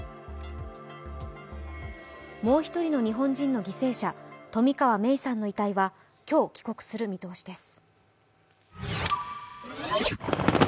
もう一人の日本人の犠牲者冨川芽生さんの遺体は今日、帰国する見通しです。